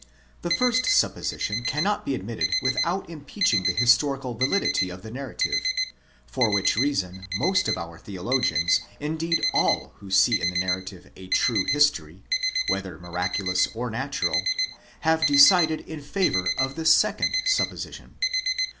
The first sup position cannot be admitted without impeaching the historical validity of the narrative; for which reason most of our theologians, indeed all who see in the narrative a true history, whether miraculous or natural, have decided in favour of the second supposition.